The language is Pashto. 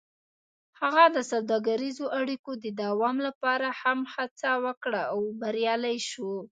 هغه د سوداګریزو اړیکو د دوام لپاره هم هڅه وکړه او بریالی شو.